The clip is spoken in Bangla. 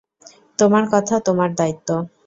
তোমার কথা তোমার দায়িত্ব।